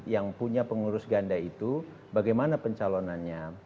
yang punya pengurus ganda itu bagaimana pencalonannya